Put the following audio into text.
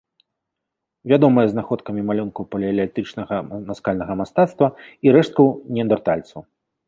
Вядомая знаходкамі малюнкаў палеалітычнага наскальнага мастацтва і рэшткаў неандэртальцаў.